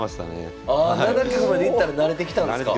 ああ７局までいったら慣れてきたんですか。